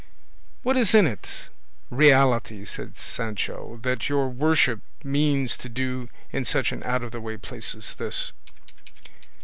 "What is it in reality," said Sancho, "that your worship means to do in such an out of the way place as this?"